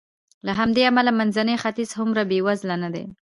له همدې امله منځنی ختیځ هومره بېوزله نه دی.